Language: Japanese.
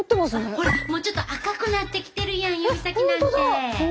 ほらもうちょっと赤くなってきてるやん指先なんて。